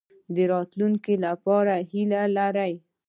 د راتلونکي لپاره هیله لرئ؟